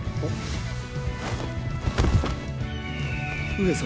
上様！